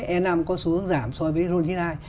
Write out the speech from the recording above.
e năm có xu hướng giảm so với ro chín mươi hai